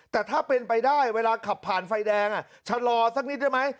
แต่ถ้าเป็นไปได้เวลาขับผ่านไฟแดงชะลอสักนิดได้ไหม